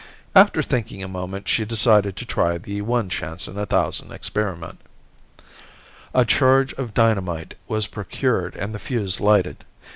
After thinking a moment she decided to try the "one chance in a thousand" experiment. A charge of dynamite was procured and the fuse lighted.